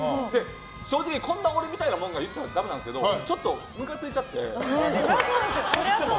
正直こんな俺みたいなもんが言うのあれなんですけどムカついちゃって。